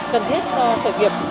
cần thiết cho khởi nghiệp